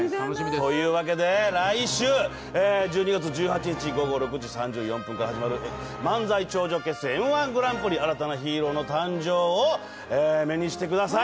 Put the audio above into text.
というわけで来週、１２月１８日午後６時３４分から始まる漫才頂上決戦Ｍ−１グランプリヒーローの誕生を目にしてください。